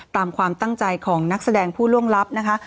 ตามความตั้งใจของนักแสดงผู้ล่วงลับนะคะ